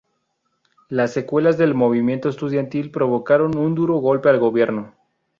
Las secuelas del movimiento estudiantil provocaron un duro golpe al gobierno.